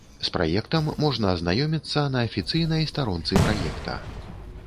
З праектам можна азнаёміцца на афіцыйнай старонцы праекта.